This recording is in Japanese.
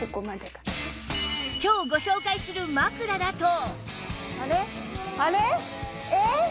今日ご紹介する枕だと